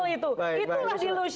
itu ada tuh